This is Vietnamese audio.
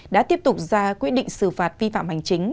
đã tiếp tục ra quyết định xử phạt vi phạm hành chính